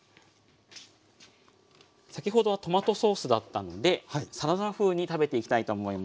先ほどはトマトソースだったんでサラダ風に食べていきたいと思います。